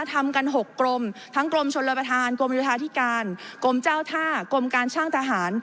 ทำกัน๖กรมทั้งกรมชนรับประธานกรมโยธาธิการกรมเจ้าท่ากรมการช่างทหาร